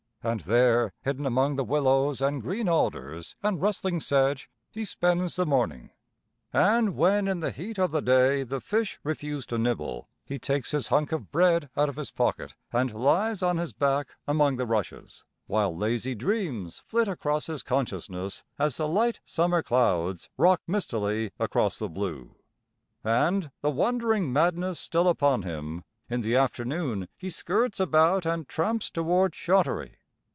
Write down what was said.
And there, hidden among the willows and green alders and rustling sedge, he spends the morning; and when in the heat of the day the fish refuse to nibble, he takes his hunk of bread out of his pocket and lies on his back among the rushes, while lazy dreams flit across his consciousness as the light summer clouds rock mistily across the blue. [Illustration: "Hidden among the willows ... he spends the morning"] And, the wandering madness still upon him, in the afternoon he skirts about and tramps toward Shottery.